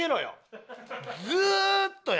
ずーっとや。